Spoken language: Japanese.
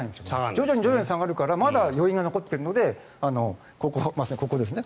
徐々に徐々に下がるからまだ余韻が残っているのでまさにここですね。